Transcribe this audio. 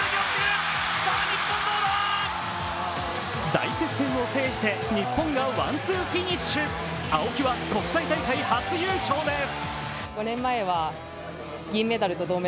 大接戦を制して日本がワンツーフィニッシュ青木は国際大会初優勝です。